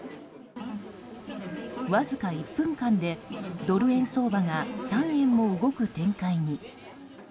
わずか１分間でドル円相場が３円も動く展開に。